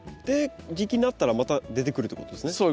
で時期になったらまた出てくるということですね。